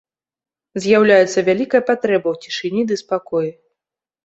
З'яўляецца вялікая патрэба ў цішыні ды спакоі.